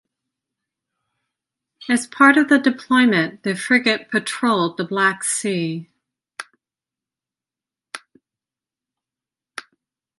As part of the deployment, the frigate patrolled the Black Sea.